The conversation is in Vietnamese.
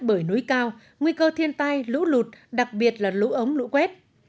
bởi núi cao nguy cơ thiên tai lũ lụt đặc biệt là lũ ống lũ quét